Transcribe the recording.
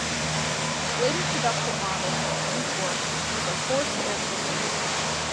Later production models of the Newport use a forced-air system.